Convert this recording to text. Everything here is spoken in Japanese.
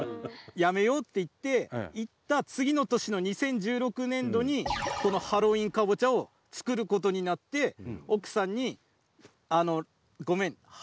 やめようって言って言った次の年の２０１６年度にこのハロウィーンかぼちゃを作ることになって奥さんに「ごめん。